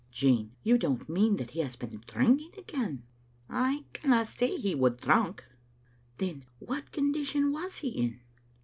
''Jean, you don't mean that he has been drinking again?" " I canna say he was drunk." " Then what condition was he in?"